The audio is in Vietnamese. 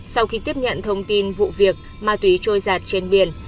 sau khi tiếp nhận thông tin vụ việc ma túy trôi giạt trên biển